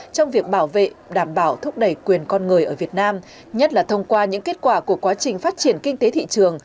trong việc bảo vệ đảm bảo thúc đẩy quyền con người ở việt nam nhất là thông qua những kết quả của quá trình phát triển kinh tế thị trường